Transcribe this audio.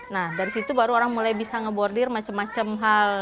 nah dari situ baru orang mulai bisa ngebordir macam macam hal